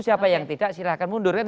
siapa yang tidak silahkan mundur kan